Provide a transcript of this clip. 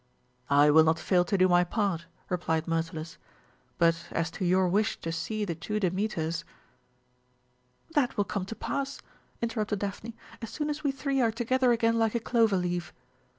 "I will not fail to do my part," replied Myrtilus; "but as to your wish to see the two Demeters " "That will come to pass," interrupted Daphne, "as soon as we three are together again like a clover leaf."